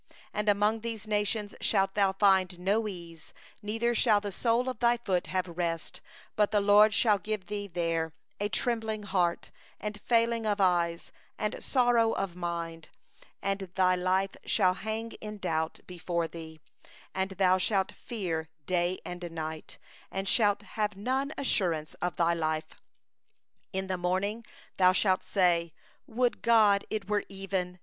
65And among these nations shalt thou have no repose, and there shall be no rest for the sole of thy foot; but the LORD shall give thee there a trembling heart, and failing of eyes, and languishing of soul. 66And thy life shall hang in doubt before thee; and thou shalt fear night and day, and shalt have no assurance of thy life. 67In the morning thou shalt say: 'Would it were even!